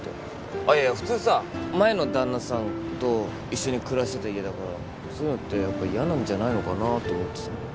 あっいや普通さ前の旦那さんと一緒に暮らしてた家だからそういうのってやっぱ嫌なんじゃないのかなと思ってさ。